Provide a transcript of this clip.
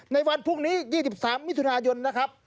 ในวันพรุ่งนี้๒๓มิถุนายนนะครับ